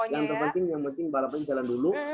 yang terpenting yang penting balapan jalan dulu